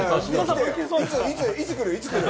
いつ来る？